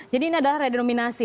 jadi ini adalah redenominasi